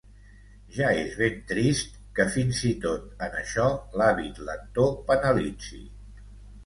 Ja és ben trist que, fins i tot en això, l'hàbit lector penalitzi.